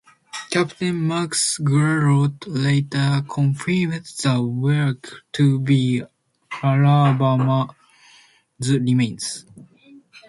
Captain Max Guerout later confirmed the wreck to be "Alabama"'s remains.